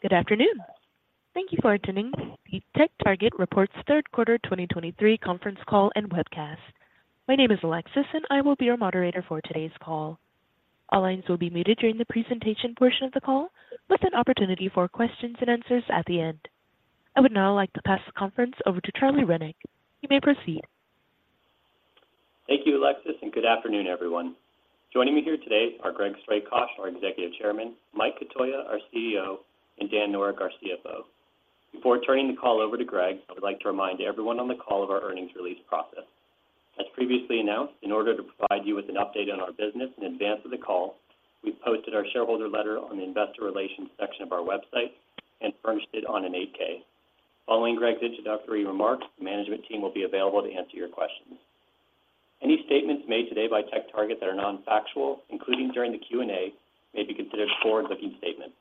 Good afternoon. Thank you for attending the TechTarget Reports Third Quarter 2023 Conference Call and Webcast. My name is Alexis, and I will be your moderator for today's call. All lines will be muted during the presentation portion of the call, with an opportunity for questions and answers at the end. I would now like to pass the conference over to Charlie Rennick. You may proceed. Thank you, Alexis, and good afternoon, everyone. Joining me here today are Greg Strakosch, our Executive Chairman, Mike Cotoia, our CEO, and Dan Noreck, our CFO. Before turning the call over to Greg, I would like to remind everyone on the call of our earnings release process. As previously announced, in order to provide you with an update on our business in advance of the call, we've posted our shareholder letter on the Investor Relations section of our website and furnished it on an 8-K. Following Greg's introductory remarks, the management team will be available to answer your questions. Any statements made today by TechTarget that are non-factual, including during the Q&A, may be considered forward-looking statements.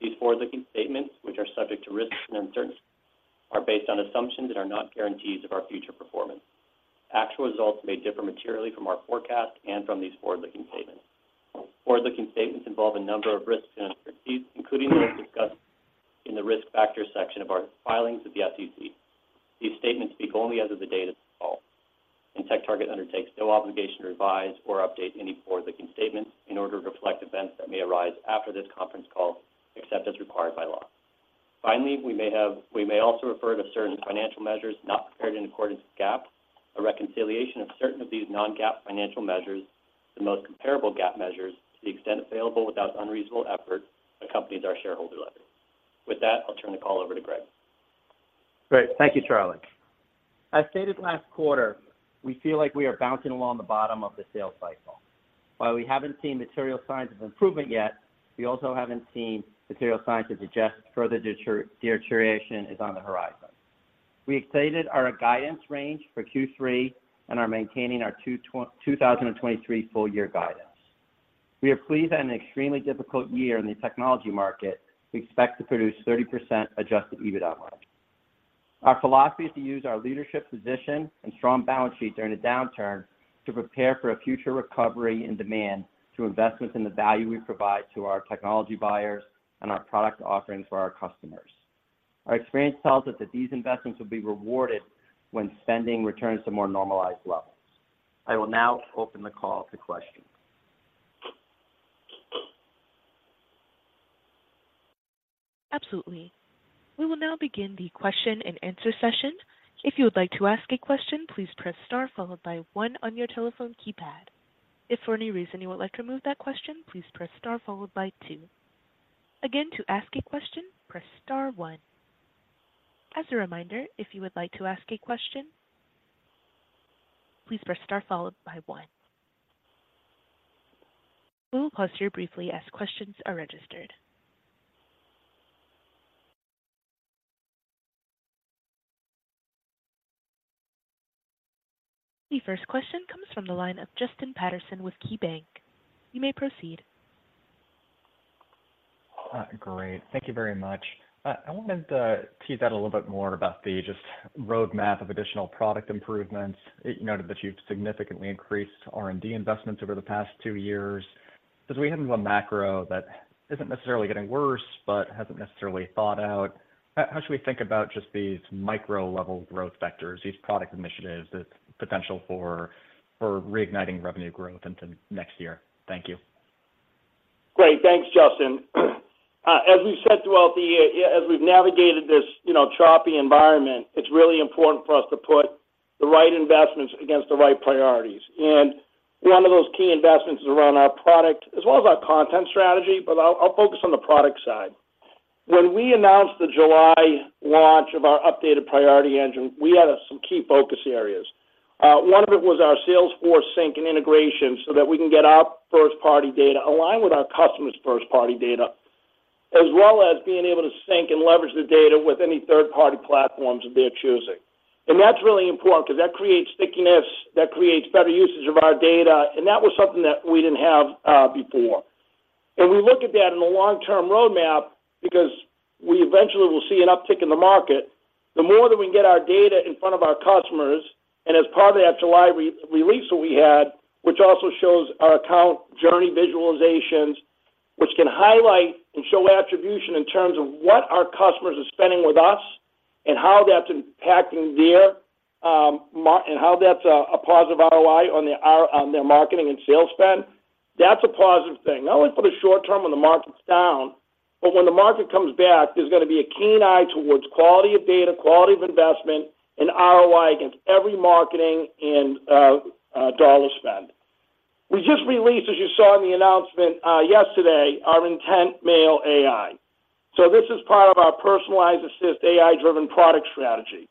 These forward-looking statements, which are subject to risks and uncertainties, are based on assumptions that are not guarantees of our future performance. Actual results may differ materially from our forecast and from these forward-looking statements. Forward-looking statements involve a number of risks and uncertainties, including those discussed in the Risk Factors section of our filings with the SEC. These statements speak only as of the date of this call, and TechTarget undertakes no obligation to revise or update any forward-looking statements in order to reflect events that may arise after this conference call, except as required by law. Finally, we may also refer to certain financial measures not prepared in accordance with GAAP. A reconciliation of certain of these non-GAAP financial measures, the most comparable GAAP measures to the extent available without unreasonable effort, accompanies our shareholder letter. With that, I'll turn the call over to Greg. Great. Thank you, Charlie. As stated last quarter, we feel like we are bouncing along the bottom of the sales cycle. While we haven't seen material signs of improvement yet, we also haven't seen material signs that suggest further deterioration is on the horizon. We exited our guidance range for Q3 and are maintaining our 2023 full year guidance. We are pleased that in an extremely difficult year in the technology market, we expect to produce 30% Adjusted EBITDA margin. Our philosophy is to use our leadership position and strong balance sheet during a downturn to prepare for a future recovery and demand through investments in the value we provide to our technology buyers and our product offerings for our customers. Our experience tells us that these investments will be rewarded when spending returns to more normalized levels. I will now open the call to questions. Absolutely. We will now begin the question and answer session. If you would like to ask a question, please press star followed by one on your telephone keypad. If for any reason you would like to remove that question, please press star followed by two. Again, to ask a question, press star one. As a reminder, if you would like to ask a question, please press star followed by one. We will pause here briefly as questions are registered. The first question comes from the line of Justin Patterson with KeyBanc. You may proceed. Great. Thank you very much. I wanted to tease out a little bit more about the just roadmap of additional product improvements. You noted that you've significantly increased R&D investments over the past two years. As we head into a macro that isn't necessarily getting worse, but hasn't necessarily thawed out, how should we think about just these micro-level growth vectors, these product initiatives, the potential for reigniting revenue growth into next year? Thank you. Great. Thanks, Justin. As we said throughout the year, as we've navigated this, you know, choppy environment, it's really important for us to put the right investments against the right priorities. One of those key investments is around our product as well as our content strategy, but I'll, I'll focus on the product side. When we announced the July launch of our updated Priority Engine, we had some key focus areas. One of it was our Salesforce sync and integration, so that we can get our first-party data aligned with our customers' first-party data, as well as being able to sync and leverage the data with any third-party platforms of their choosing. And that's really important because that creates stickiness, that creates better usage of our data, and that was something that we didn't have before. We look at that in a long-term roadmap because we eventually will see an uptick in the market. The more that we can get our data in front of our customers, and as part of that July re-release that we had, which also shows our account journey visualizations, which can highlight and show attribution in terms of what our customers are spending with us and how that's impacting their marketing and how that's a positive ROI on their marketing and sales spend, that's a positive thing. Not only for the short term when the market's down, but when the market comes back, there's going to be a keen eye towards quality of data, quality of investment, and ROI against every marketing and dollar spend. We just released, as you saw in the announcement yesterday, our IntentMail AI. So this is part of our personalized assist AI-driven product strategy.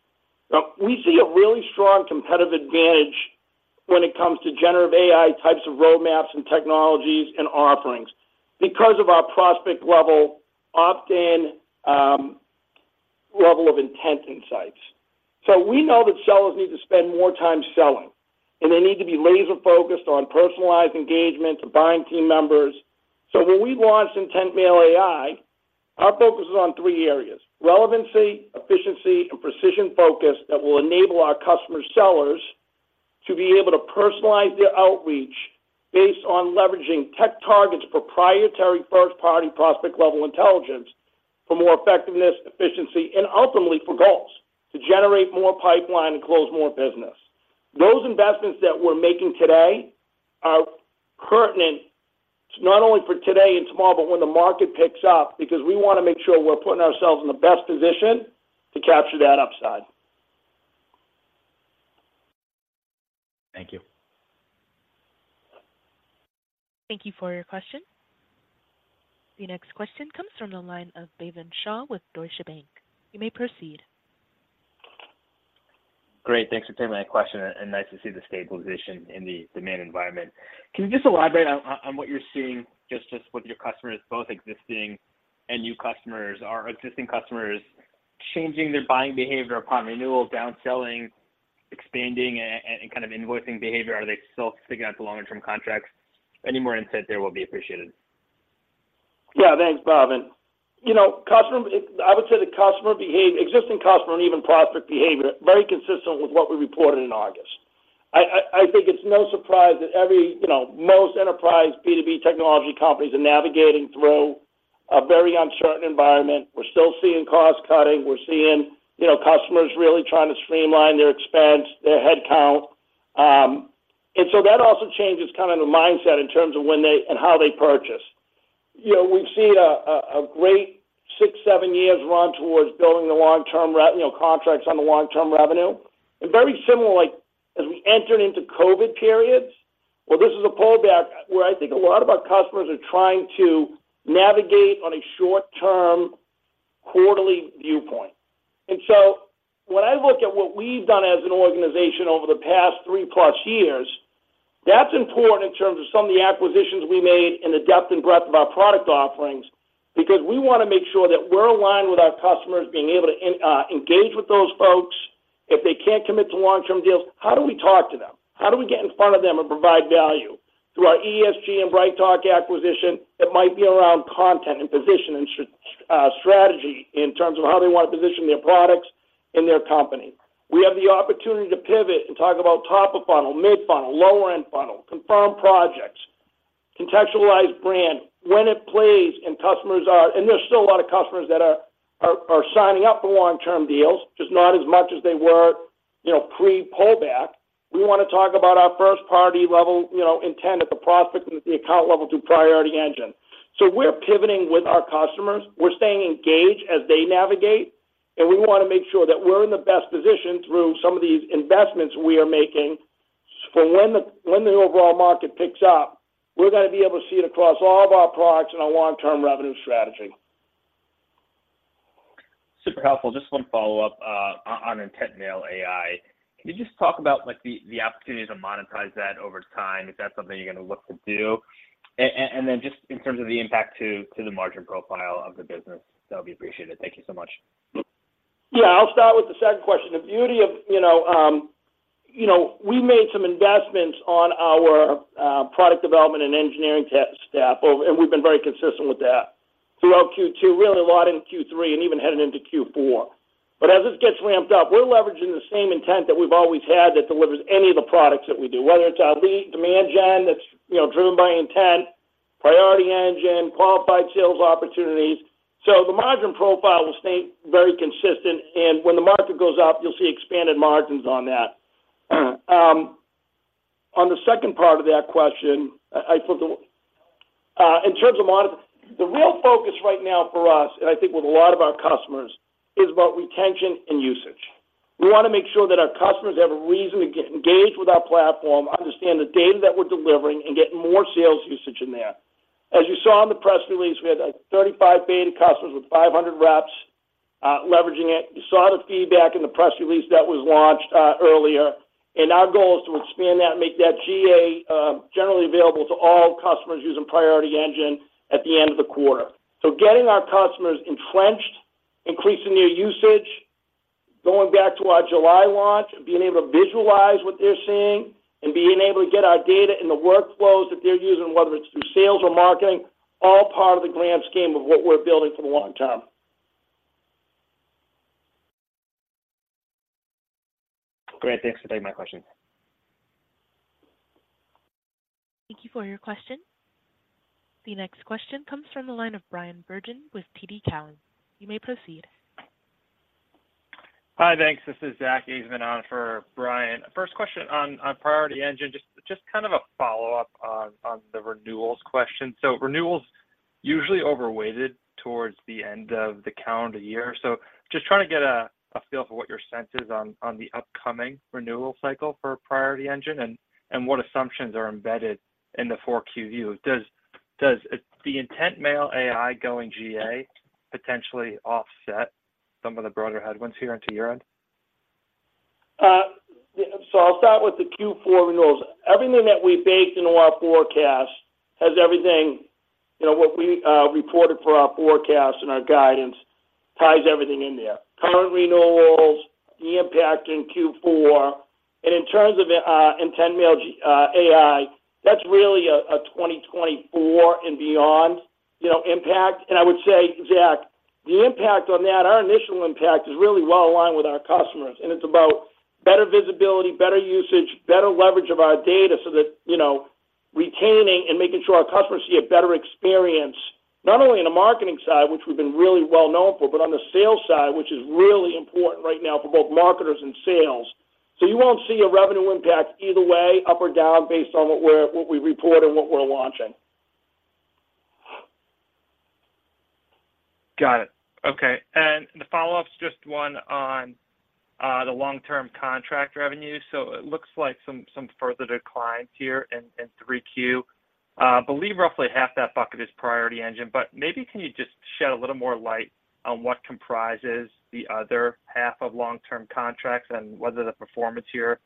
Now, we see a really strong competitive advantage when it comes to Generative AI types of roadmaps and technologies and offerings because of our prospect-level, opt-in, level of intent insights. So we know that sellers need to spend more time selling, and they need to be laser-focused on personalized engagement to buying team members. So when we launched IntentMail AI, our focus was on three areas: relevancy, efficiency, and precision focus that will enable our customer sellers to be able to personalize their outreach based on leveraging TechTarget's proprietary first-party prospect-level intelligence for more effectiveness, efficiency, and ultimately for goals, to generate more pipeline and close more business. Those investments that we're making today are pertinent not only for today and tomorrow, but when the market picks up, because we want to make sure we're putting ourselves in the best position to capture that upside. Thank you. Thank you for your question. The next question comes from the line of Bhavin Shah with Deutsche Bank. You may proceed. Great, thanks for taking my question, and nice to see the stabilization in the demand environment. Can you just elaborate on what you're seeing, just with your customers, both existing and new customers? Are existing customers changing their buying behavior upon renewal, downselling, expanding, and kind of invoicing behavior? Are they still sticking to long-term contracts? Any more insight there will be appreciated. Yeah, thanks, Bhavin. You know, I would say the customer behavior, existing customer and even prospect behavior, very consistent with what we reported in August. I think it's no surprise that every, you know, most enterprise B2B technology companies are navigating through a very uncertain environment. We're still seeing cost-cutting. We're seeing, you know, customers really trying to streamline their expense, their headcount. And so that also changes kind of the mindset in terms of when they, and how they purchase. You know, we've seen a great 6, 7 years run towards building the long-term, you know, contracts on the long-term revenue. And very similarly, as we entered into COVID periods, well, this is a pullback where I think a lot of our customers are trying to navigate on a short-term, quarterly viewpoint. And so when I look at what we've done as an organization over the past 3+ years, that's important in terms of some of the acquisitions we made and the depth and breadth of our product offerings, because we want to make sure that we're aligned with our customers, being able to engage with those folks. If they can't commit to long-term deals, how do we talk to them? How do we get in front of them and provide value? Through our ESG and BrightTALK acquisition, it might be around content and positioning, strategy in terms of how they want to position their products in their company. We have the opportunity to pivot and talk about top-of-funnel, mid-funnel, lower-end funnel, Confirmed Projects, contextualized brand, when it plays and customers are- And there's still a lot of customers that are, are, are signing up for long-term deals, just not as much as they were, you know, pre-pullback. We want to talk about our first-party level, you know, intent at the prospect and the account level through Priority Engine. So we're pivoting with our customers. We're staying engaged as they navigate, and we want to make sure that we're in the best position through some of these investments we are making for when the- when the overall market picks up, we're gonna be able to see it across all of our products and our long-term revenue strategy. Super helpful. Just one follow up on IntentMail AI. Can you just talk about, like, the opportunity to monetize that over time, if that's something you're gonna look to do? And then just in terms of the impact to the margin profile of the business, that would be appreciated. Thank you so much. Yeah, I'll start with the second question. The beauty of, you know, you know, we made some investments on our product development and engineering staff, over, and we've been very consistent with that throughout Q2, really a lot in Q3, and even headed into Q4. But as this gets ramped up, we're leveraging the same intent that we've always had that delivers any of the products that we do, whether it's our lead demand gen, that's, you know, driven by intent, Priority Engine, Qualified Sales Opportunities. So the margin profile will stay very consistent, and when the market goes up, you'll see expanded margins on that. On the second part of that question, I put the in terms of the real focus right now for us, and I think with a lot of our customers, is about retention and usage. We want to make sure that our customers have a reason to get engaged with our platform, understand the data that we're delivering, and get more sales usage in there. As you saw in the press release, we had, like, 35 beta customers with 500 reps, leveraging it. You saw the feedback in the press release that was launched, earlier, and our goal is to expand that and make that GA, generally available to all customers using Priority Engine at the end of the quarter. So getting our customers entrenched, increasing their usage, going back to our July launch, and being able to visualize what they're seeing, and being able to get our data in the workflows that they're using, whether it's through sales or marketing, all part of the grand scheme of what we're building for the long term. Great. Thanks for taking my question. Thank you for your question. The next question comes from the line of Bryan Bergin with TD Cowen. You may proceed. Hi, thanks. This is Zack Ajzenman on for Bryan. First question on Priority Engine, just kind of a follow-up on the renewals question. So renewals usually overweighted towards the end of the calendar year. So just trying to get a feel for what your sense is on the upcoming renewal cycle for Priority Engine, and what assumptions are embedded in the 4Q view. Does the IntentMail AI going GA potentially offset some of the broader headwinds here into year-end? So I'll start with the Q4 renewals. Everything that we baked into our forecast has everything... You know, what we reported for our forecast and our guidance ties everything in there. Current renewals, the impact in Q4, and in terms of, IntentMail AI-... 2024 and beyond, you know, impact. And I would say, Zach, the impact on that, our initial impact is really well aligned with our customers, and it's about better visibility, better usage, better leverage of our data so that, you know, retaining and making sure our customers see a better experience, not only in the marketing side, which we've been really well known for, but on the sales side, which is really important right now for both marketers and sales. So you won't see a revenue impact either way, up or down, based on what we report or what we're launching. Got it. Okay. And the follow-up is just one on the long-term contract revenue. So it looks like some further declines here in three Q. Believe roughly half that bucket is Priority Engine, but maybe can you just shed a little more light on what comprises the other half of long-term contracts and whether the performance here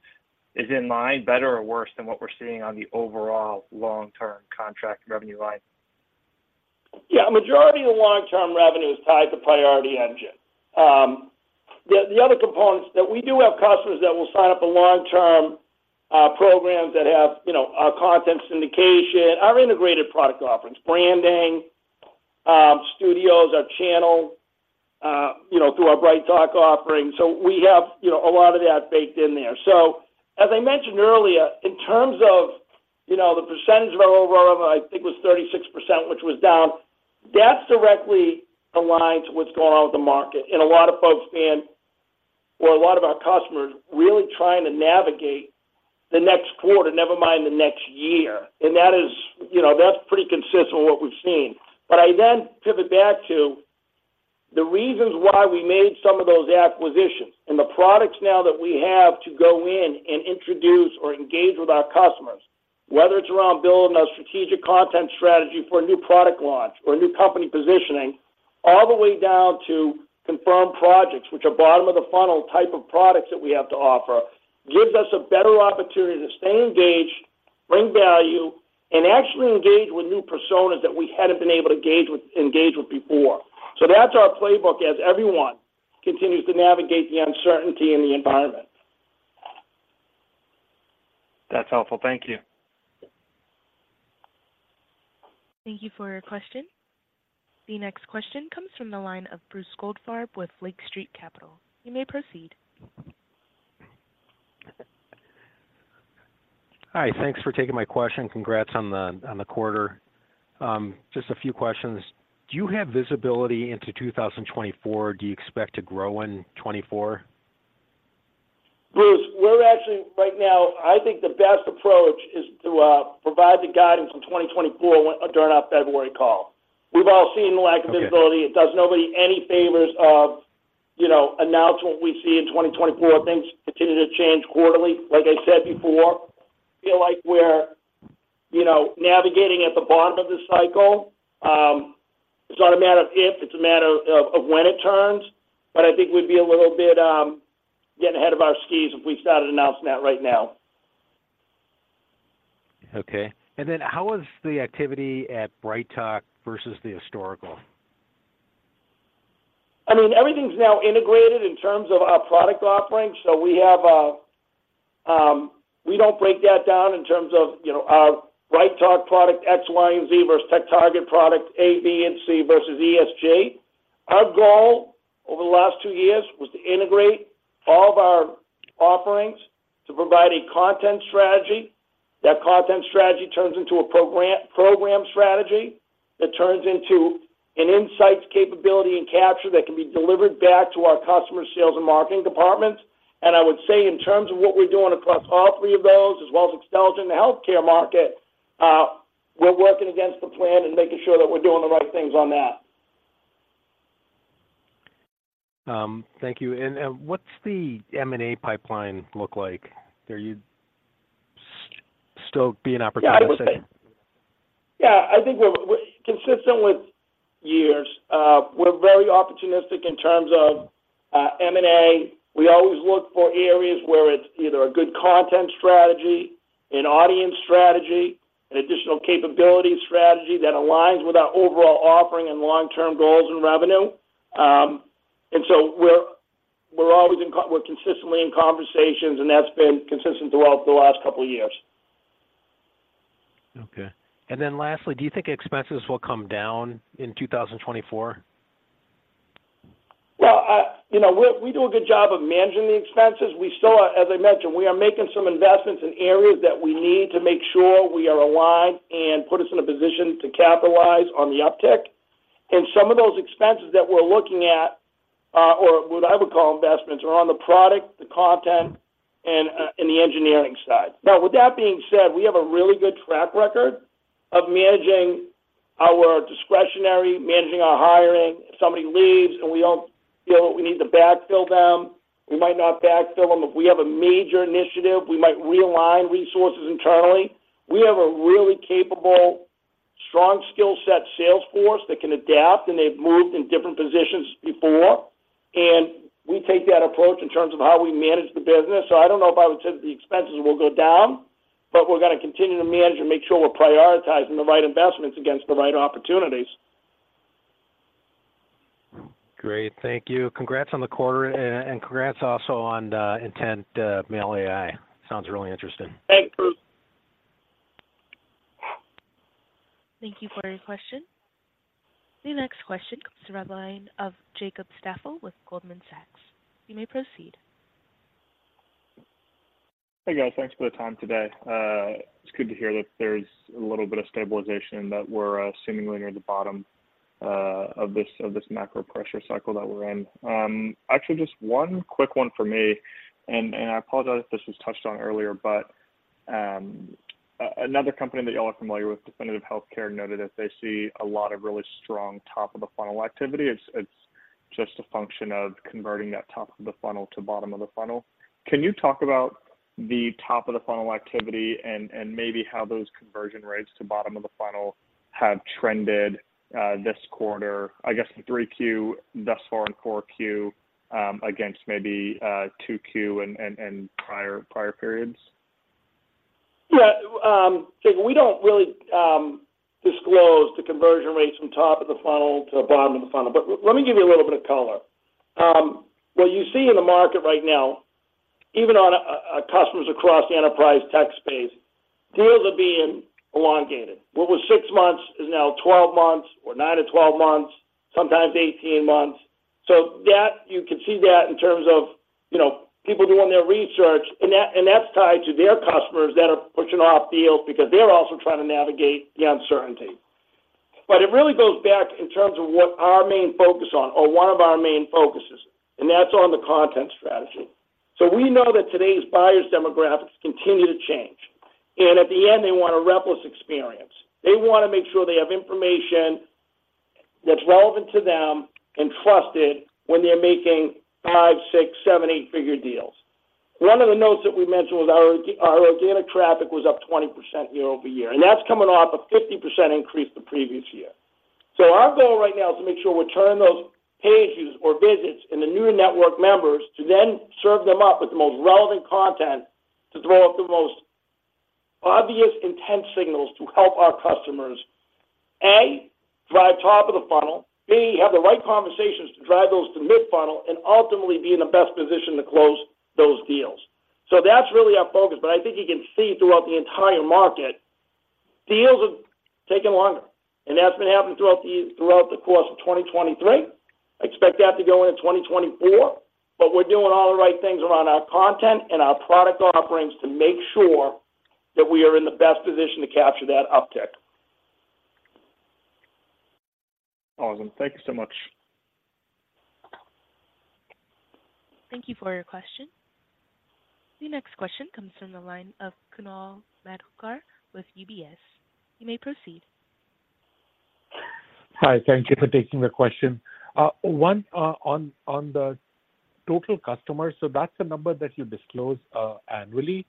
is in line, better or worse than what we're seeing on the overall long-term contract revenue line? Yeah, majority of the long-term revenue is tied to Priority Engine. The other components that we do have customers that will sign up for long-term programs that have, you know, our content syndication, our integrated product offerings, branding, studios, our channel, you know, through our BrightTALK offering. So we have, you know, a lot of that baked in there. So as I mentioned earlier, in terms of, you know, the percentage of our overall revenue, I think it was 36%, which was down, that's directly aligned to what's going on with the market. And a lot of folks or a lot of our customers are really trying to navigate the next quarter, never mind the next year. And that is, you know, that's pretty consistent with what we've seen. But I then pivot back to the reasons why we made some of those acquisitions and the products now that we have to go in and introduce or engage with our customers, whether it's around building a strategic content strategy for a new product launch or a new company positioning, all the way down to confirmed projects, which are bottom of the funnel type of products that we have to offer, gives us a better opportunity to stay engaged, bring value, and actually engage with new personas that we hadn't been able to engage with before. So that's our playbook as everyone continues to navigate the uncertainty in the environment. That's helpful. Thank you. Thank you for your question. The next question comes from the line of Bruce Goldfarb with Lake Street Capital. You may proceed. Hi, thanks for taking my question. Congrats on the, on the quarter. Just a few questions: Do you have visibility into 2024? Do you expect to grow in 2024? Bruce, we're actually, right now, I think the best approach is to provide the guidance in 2024 during our February call. We've all seen the lack of visibility. Okay. It does nobody any favors if, you know, announce what we see in 2024. Things continue to change quarterly. Like I said before, I feel like we're, you know, navigating at the bottom of the cycle. It's not a matter of if, it's a matter of when it turns, but I think we'd be a little bit getting ahead of our skis if we started announcing that right now. Okay. And then how is the activity at BrightTALK versus the historical? I mean, everything's now integrated in terms of our product offerings. So we have a, we don't break that down in terms of, you know, our BrightTALK product, X, Y, and Z versus TechTarget product A, B, and C versus ESG. Our goal over the last two years was to integrate all of our offerings to provide a content strategy. That content strategy turns into a program, program strategy, that turns into an insights capability and capture that can be delivered back to our customer sales and marketing departments. And I would say in terms of what we're doing across all three of those, as well as expansion in the healthcare market, we're working against the plan and making sure that we're doing the right things on that. Thank you. What's the M&A pipeline look like? Are you still be an opportunity? Yeah, I would say. Yeah, I think we're consistent with years. We're very opportunistic in terms of M&A. We always look for areas where it's either a good content strategy, an audience strategy, an additional capability strategy that aligns with our overall offering and long-term goals and revenue. And so we're consistently in conversations, and that's been consistent throughout the last couple of years. Okay. And then lastly, do you think expenses will come down in 2024? Well, you know, we do a good job of managing the expenses. We still are, as I mentioned, making some investments in areas that we need to make sure we are aligned and put us in a position to capitalize on the uptick. And some of those expenses that we're looking at, or what I would call investments, are on the product, the content, and the engineering side. Now, with that being said, we have a really good track record of managing our discretionary, managing our hiring. If somebody leaves and we don't feel we need to backfill them, we might not backfill them. If we have a major initiative, we might realign resources internally. We have a really capable, strong skill set sales force that can adapt, and they've moved in different positions before. We take that approach in terms of how we manage the business. I don't know if I would say the expenses will go down, but we're going to continue to manage and make sure we're prioritizing the right investments against the right opportunities.... Great. Thank you. Congrats on the quarter, and congrats also on the IntentMail AI. Sounds really interesting. Thanks, Bruce. Thank you for your question. The next question comes from the line of Jacob Staffel with Goldman Sachs. You may proceed. Hey, guys. Thanks for the time today. It's good to hear that there's a little bit of stabilization, that we're seemingly near the bottom of this macro pressure cycle that we're in. Actually, just one quick one for me, and I apologize if this was touched on earlier, but another company that y'all are familiar with, Definitive Healthcare, noted that they see a lot of really strong top-of-the-funnel activity. It's just a function of converting that top of the funnel to bottom of the funnel. Can you talk about the top-of-the-funnel activity and maybe how those conversion rates to bottom of the funnel have trended this quarter, I guess in three Q, thus far in core Q, against maybe two Q and prior periods? Yeah. Jacob, we don't really disclose the conversion rates from top of the funnel to bottom of the funnel, but let me give you a little bit of color. What you see in the market right now, even on customers across the enterprise tech space, deals are being elongated. What was 6 months is now 12 months, or 9-12 months, sometimes 18 months. So that, you can see that in terms of, you know, people doing their research, and that, and that's tied to their customers that are pushing off deals because they're also trying to navigate the uncertainty. But it really goes back in terms of what our main focus on or one of our main focuses, and that's on the content strategy. So we know that today's buyers demographics continue to change, and at the end, they want a frictionless experience. They wanna make sure they have information that's relevant to them and trusted when they're making 5-, 6-, 7-, 8-figure deals. One of the notes that we mentioned was our our organic traffic was up 20% year-over-year, and that's coming off a 50% increase the previous year. So our goal right now is to make sure we're turning those pages or visits into new network members, to then serve them up with the most relevant content to throw up the most obvious intent signals to help our customers, A, drive top of the funnel, B, have the right conversations to drive those to mid-funnel, and ultimately be in the best position to close those deals. So that's really our focus, but I think you can see throughout the entire market, deals have taken longer, and that's been happening throughout the course of 2023. I expect that to go into 2024, but we're doing all the right things around our content and our product offerings to make sure that we are in the best position to capture that uptick. Awesome. Thank you so much. Thank you for your question. The next question comes from the line of Kunal Madhukar with UBS. You may proceed. Hi, thank you for taking the question. One, on the total customers, so that's a number that you disclose annually,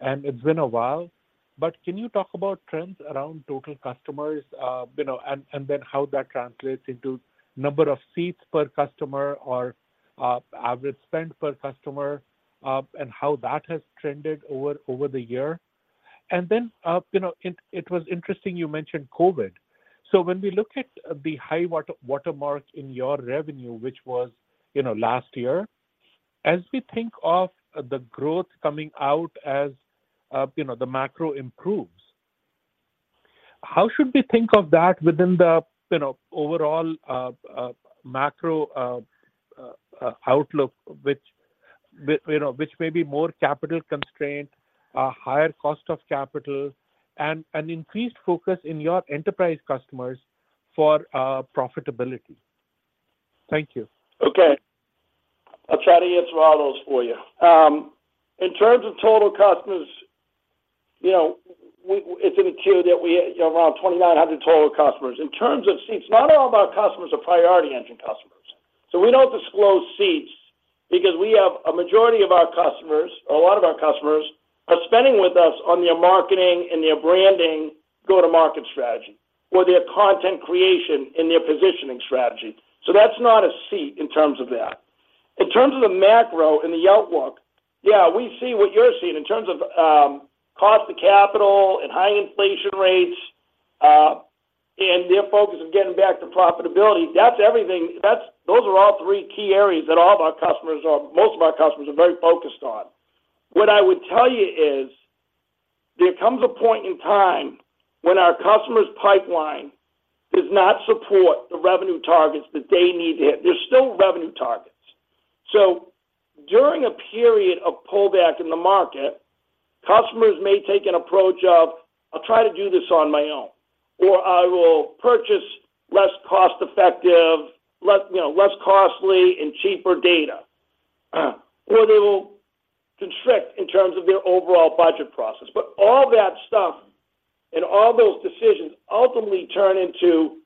and it's been a while. But can you talk about trends around total customers, you know, and then how that translates into number of seats per customer or average spend per customer, and how that has trended over the year? And then, you know, it was interesting you mentioned COVID. So when we look at the high-water mark in your revenue, which was, you know, last year, as we think of the growth coming out as, you know, the macro improves, how should we think of that within the, you know, overall macro outlook, which, you know, which may be more capital constrained, a higher cost of capital, and an increased focus in your enterprise customers for profitability? Thank you. Okay. I'll try to answer all those for you. In terms of total customers, you know, it's in the Q that we have around 2,900 total customers. In terms of seats, not all of our customers are Priority Engine customers. So we don't disclose seats because we have a majority of our customers, or a lot of our customers, are spending with us on their marketing and their branding, go-to-market strategy, or their content creation and their positioning strategy. So that's not a seat in terms of that. In terms of the macro and the outlook, yeah, we see what you're seeing in terms of, cost of capital and high inflation rates, and their focus of getting back to profitability. That's everything. That's those are all three key areas that all of our customers are... most of our customers are very focused on. What I would tell you is, there comes a point in time when our customer's pipeline does not support the revenue targets that they need to hit. There's still revenue targets. So during a period of pullback in the market, customers may take an approach of, "I'll try to do this on my own," or, "I will purchase less cost-effective, less, you know, less costly and cheaper data," or they will constrict in terms of their overall budget process. But all that stuff and all those decisions ultimately turn into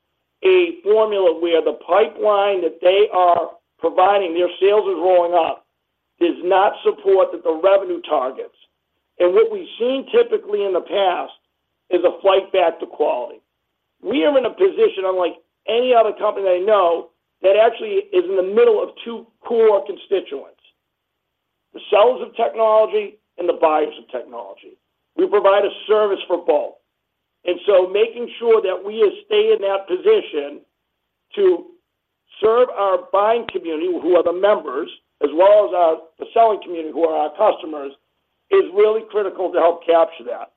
a formula where the pipeline that they are providing, their sales is rolling up, does not support the revenue targets. And what we've seen typically in the past is a flight back to quality. We are in a position, unlike any other company I know, that actually is in the middle of two core constituents.... The sellers of technology and the buyers of technology. We provide a service for both. And so making sure that we stay in that position to serve our buying community, who are the members, as well as our, the selling community, who are our customers, is really critical to help capture that.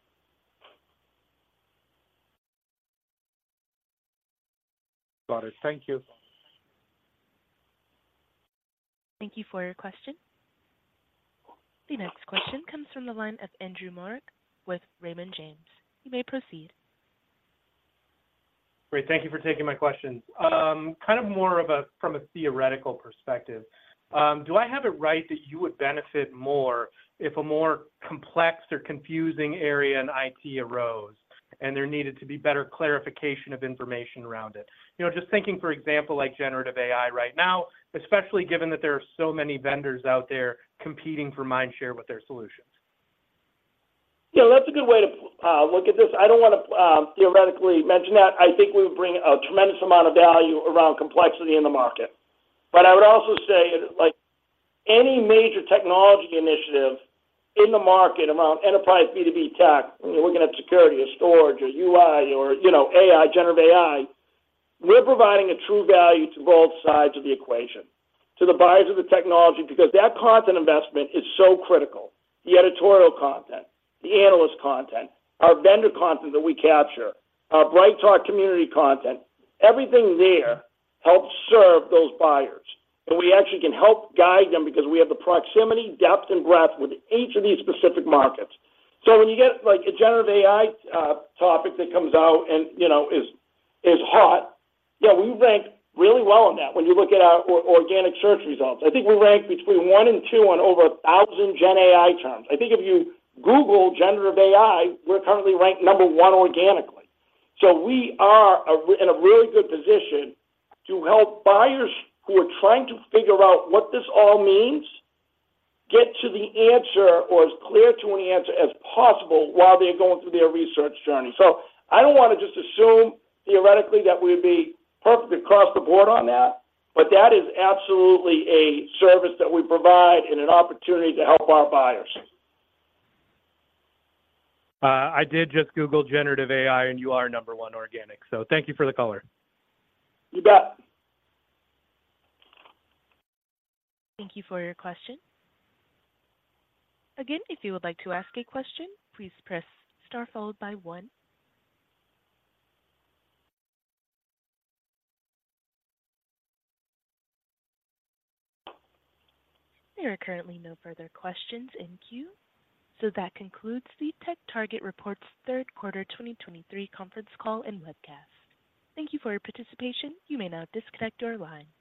Got it. Thank you. Thank you for your question. The next question comes from the line of Andrew Marok with Raymond James. You may proceed. Great. Thank you for taking my questions. Kind of more of a from a theoretical perspective, do I have it right that you would benefit more if a more complex or confusing area in IT arose, and there needed to be better clarification of information around it? You know, just thinking, for example, like Generative AI right now, especially given that there are so many vendors out there competing for mind share with their solutions. Yeah, that's a good way to look at this. I don't want to theoretically mention that. I think we bring a tremendous amount of value around complexity in the market. But I would also say, like any major technology initiative in the market around enterprise B2B tech, you know, looking at security or storage or UI or, you know, AI, Generative AI, we're providing a true value to both sides of the equation, to the buyers of the technology, because that content investment is so critical. The editorial content, the analyst content, our vendor content that we capture, our BrightTALK community content, everything there helps serve those buyers, and we actually can help guide them because we have the proximity, depth, and breadth with each of these specific markets. So when you get like a generative AI topic that comes out and, you know, is hot, yeah, we rank really well on that when you look at our organic search results. I think we rank between one and two on over 1,000 Gen AI terms. I think if you Google generative AI, we're currently ranked number one organically. So we are in a really good position to help buyers who are trying to figure out what this all means, get to the answer or as clear to an answer as possible while they're going through their research journey. So I don't want to just assume theoretically that we'd be perfect across the board on that, but that is absolutely a service that we provide and an opportunity to help our buyers. I did just Google Generative AI, and you are number one organic, so thank you for the color. You bet. Thank you for your question. Again, if you would like to ask a question, please press star followed by one. There are currently no further questions in queue, so that concludes the TechTarget's third quarter 2023 conference call and webcast. Thank you for your participation. You may now disconnect your line.